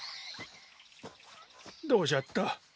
どうじゃった？